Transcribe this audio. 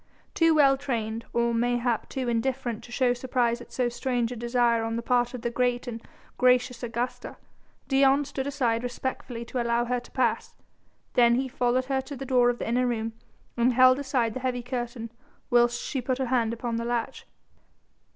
Too well trained, or mayhap too indifferent to show surprise at so strange a desire on the part of the great and gracious Augusta, Dion stood aside respectfully to allow her to pass, then he followed her to the door of the inner room and held aside the heavy curtain, whilst she put her hand upon the latch.